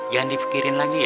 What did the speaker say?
jangan dipikirin lagi ya